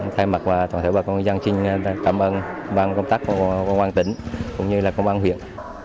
thay mặt toàn thể bà con dân xin cảm ơn bà con công tác công an tỉnh cũng như công an huyện